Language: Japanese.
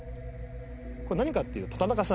これ何かっていうと田中さん